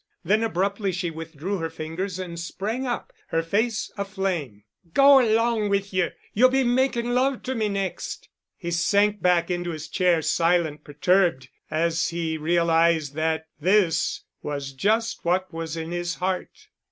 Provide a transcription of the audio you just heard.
Then abruptly she withdrew her fingers and sprang up, her face aflame. "Go along with you! You'll be making love to me next." He sank back into his chair, silent, perturbed, as he realized that this was just what was in his heart.